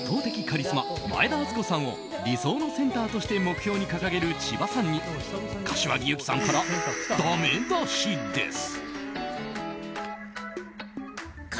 カリスマ前田敦子さんを理想のセンターとして目標に掲げる千葉さんに柏木由紀さんからだめ出しです！